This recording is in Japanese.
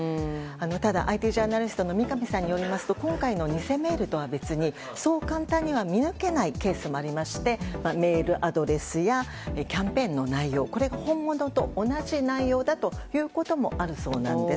ただ、ＩＴジャーナリストの三上さんによりますと今回の偽メールとは別にそう簡単には見抜けないケースもあってキャンペーンの内容などが同じ場合もあるそうなんです。